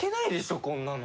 こんなの。